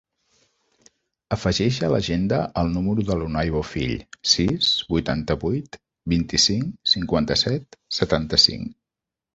Afegeix a l'agenda el número de l'Unay Bofill: sis, vuitanta-vuit, vint-i-cinc, cinquanta-set, setanta-cinc.